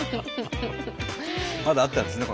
まだあったんですね